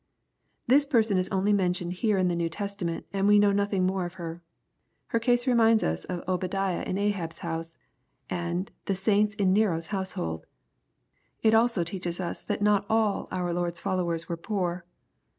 ] This person is only mentioned here in the New Testament, and we know nothing more of her. Her case reminds us of Obadiah in Ahab's house, and ^^ the saints in Nero's household." It also teaches us that not all our Lord's followers were poor.